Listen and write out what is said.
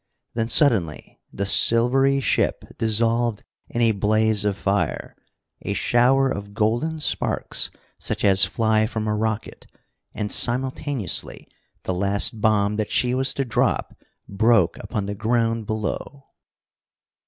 Then suddenly the silvery ship dissolved in a blaze of fire, a shower of golden sparks such as fly from a rocket, and simultaneously the last bomb that she was to drop broke upon the ground below.